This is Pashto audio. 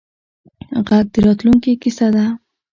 غږ د راتلونکې کیسه ده